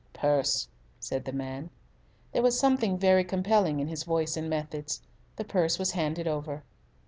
"Purse," said the man. There was something very compelling in his voice and methods. The purse was handed over.